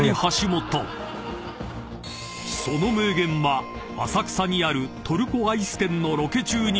［その名言は浅草にあるトルコアイス店のロケ中に生まれた］